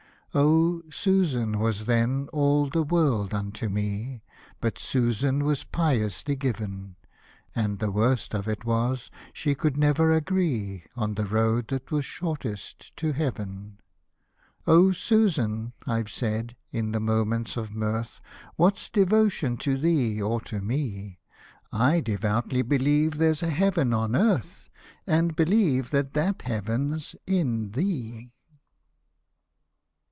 Oh : Susan was then all the world unto me. But Susan was piously given ; And the worst of it was, we could never agree On the road that was shortest to Heaven. '• O Susan !" I've said, in the moments of mirth, " What's devotion to thee or to me ? I devoutly believe there's a heaven on earth, And believe that that heaven's in thee